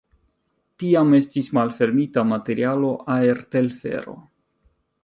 Tiam estis malfermita materialo-aertelfero.